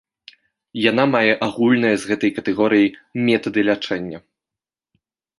Яна мае агульныя з гэтай катэгорыяй метады лячэння.